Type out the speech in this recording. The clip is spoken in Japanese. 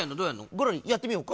ゴロリやってみようか？